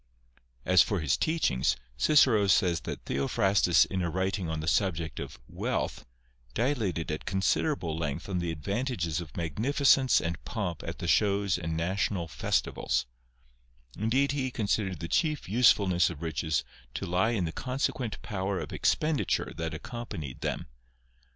As for his teachings, Cicero says that Theo phrastus in a writing on the subject of " Wealth," dilated at considerable length on the advantages of magnificence and pomp at the shows and national festivals ; indeed he considered the chief usefulness of riches to lie in the consequent power of expenditure that accompanied them.